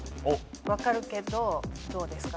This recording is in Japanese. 分かるけどどうですか？